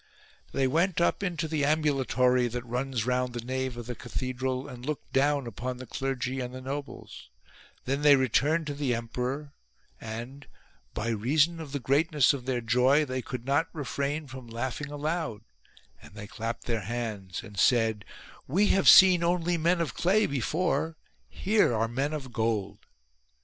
They went up into the ambulatory that runs round the nave of the cathedral and looked down upon the clergy and the nobles ; then they re 117 "HERE ARE MEN OF GOLD" turned to the emperor, and, by reason of the great ness of their joy, they could not refrain from laughing aloud ; and they clapped their hands and said :—" We have seen only men of clay before : here are men of gold."